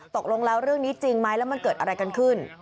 ตกลงแล้วเรื่องนี้จริงไหมแล้วมันเกิดอะไรกันขึ้น